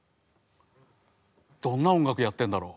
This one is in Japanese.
どんな音楽やってんだろう。